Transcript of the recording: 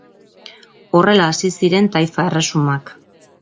Horrela hasi ziren taifa erresumak.